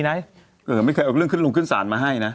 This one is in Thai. ไม่เคยเอาเรื่องขึ้นลงขึ้นศาลมาให้นะ